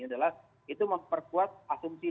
adalah itu memperkuat asumsi